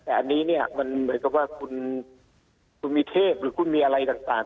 แต่อันนี้เนี่ยมันเหมือนกับว่าคุณมีเทพหรือคุณมีอะไรต่าง